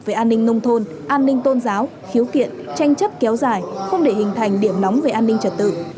về an ninh nông thôn an ninh tôn giáo khiếu kiện tranh chấp kéo dài không để hình thành điểm nóng về an ninh trật tự